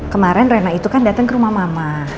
kemaren rena itu kan dateng ke rumah mama